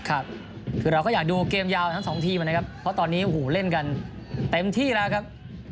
ครับคือเราก็อยากดูเกมยาวทั้งสองทีมนะครับเพราะตอนนี้โอ้โหเล่นกันเต็มที่แล้วครับ